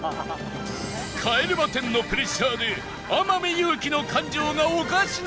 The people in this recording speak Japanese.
帰れま１０のプレッシャーで天海祐希の感情がおかしな事に！